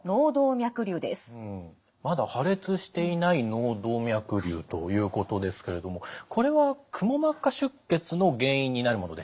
まだ破裂していない脳動脈瘤ということですけれどもこれはくも膜下出血の原因になるものでしたよね？